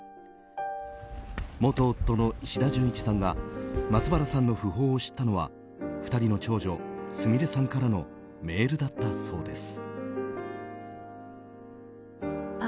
元夫の石田純一さんが松原さんの訃報を知ったのは２人の長女すみれさんからのメールだったそうです。